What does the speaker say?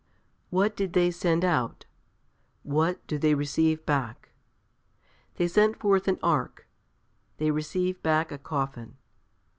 What did they send out? What do they receive back? They sent forth an ark, they receive back a coffin.